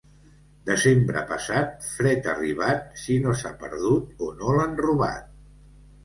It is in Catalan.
Desembre passat, fred arribat, si no s'ha perdut o no l'han robat.